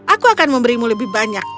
aku akan memberimu lebih banyak